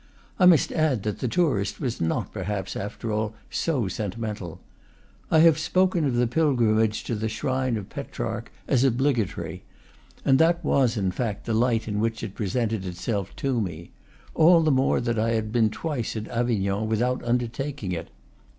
I must add that the tourist was not perhaps, after all, so sentimental. I have spoken of the pilgrimage to the shrine of Petrarch as obligatory, and that was, in fact, the light in which it presented itself to me; all the more that I had been twice at Avignon without under taking it.